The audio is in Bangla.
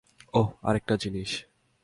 ওহ, আর একটা জিনিস।